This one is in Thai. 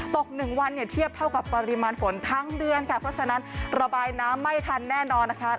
ตก๑วันเนี่ยเทียบเท่ากับปริมาณฝนทั้งเดือนค่ะเพราะฉะนั้นระบายน้ำไม่ทันแน่นอนนะคะ